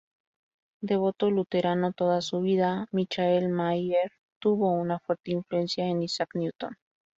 Devoto luterano toda su vida, Michael Maier tuvo una fuerte influencia en Isaac Newton.